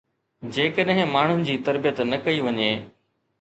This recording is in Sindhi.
جيڪڏهن ماڻهن جي تربيت نه ڪئي وڃي